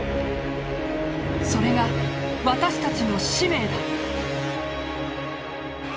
それが私たちの使命だ。